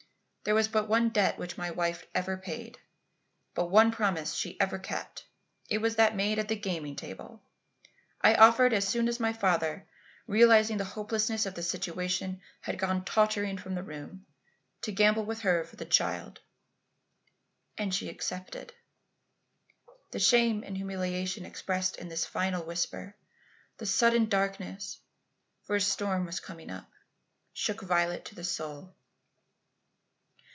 There was but one debt which my wife ever paid, but one promise she ever kept. It was that made at the gaming table. I offered, as soon as my father, realizing the hopelessness of the situation, had gone tottering from the room, to gamble with her for the child. "And she accepted." The shame and humiliation expressed in this final whisper; the sudden darkness for a storm was coming up shook Violet to the soul.